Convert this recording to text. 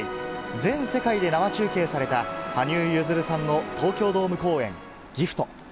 全世界で生中継された、羽生結弦さんの東京ドーム公演、ギフト。